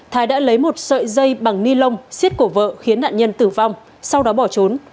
thái đã lấy một sợi dây bằng ni lông xiết cổ vợ khiến nạn nhân tử vong sau đó bỏ trốn